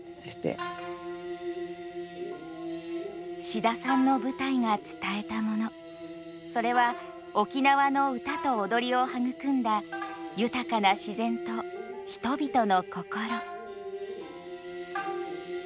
志田さんの舞台が伝えたものそれは沖縄の歌と踊りを育んだ豊かな自然と人々の心。